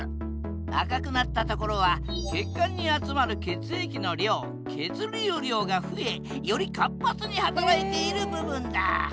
赤くなったところは血管に集まる血液の量血流量が増えより活発に働いている部分だ。